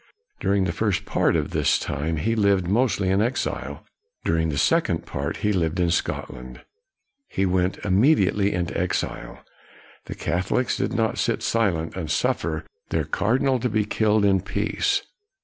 During the first part of this time he lived mostly in exile; dur ing the second part, he lived in Scotland. He went immediately into exile. The Catholics did not sit silent and suffer their 128 KNOX cardinal to be killed in peace.